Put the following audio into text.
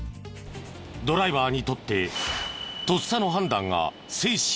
ドライバーにとってとっさの判断が生死を分かつ。